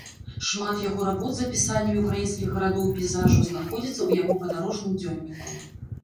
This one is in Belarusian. Шмат яго работ з апісаннямі ўкраінскіх гарадоў і пейзажаў знаходзяцца ў яго падарожным дзённіку.